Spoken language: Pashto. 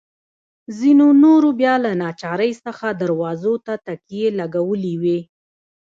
ځینو نورو بیا له ناچارۍ څخه دروازو ته تکیې لګولي وې.